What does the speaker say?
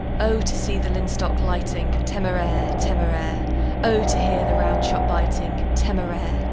_Oh! to see the linstock lighting, Téméraire! Téméraire! Oh! to hear the round shot biting, Téméraire!